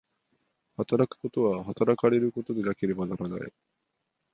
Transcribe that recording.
働くことは働かれることでなければならない。